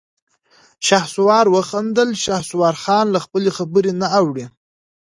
شهسوار وخندل: شهسوارخان له خپلې خبرې نه اوړي.